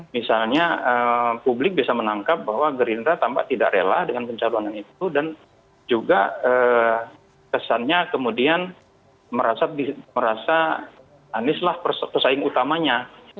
misalnya publik bisa menangkap bahwa gerindra tampak tidak rela dengan pencalonan itu dan juga kesannya kemudian merasa anieslah pesaing utamanya